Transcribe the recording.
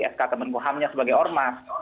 sk temen puhamnya sebagai ormas